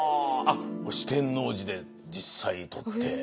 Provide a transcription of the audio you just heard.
これ四天王寺で実際撮って。